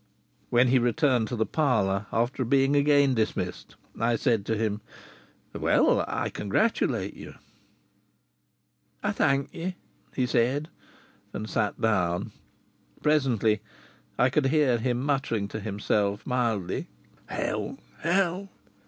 When he returned to the parlour, after being again dismissed, I said to him: "Well, I congratulate you." "I thank ye!" he said, and sat down. Presently I could hear him muttering to himself, mildly: "Hell! Hell!